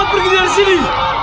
aku akan mencari